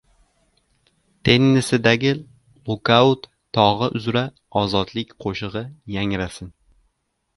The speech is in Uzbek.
Tennesidagi Lukaut tog‘i uzra ozodlik qo‘shig‘i yangrasin!